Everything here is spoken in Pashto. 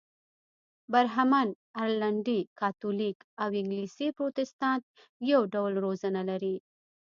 برهمن، ارلنډي کاتولیک او انګلیسي پروتستانت یو ډول روزنه لري.